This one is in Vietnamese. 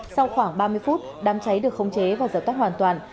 sau khoảng ba mươi phút đám cháy được khống chế và dập tắt hoàn toàn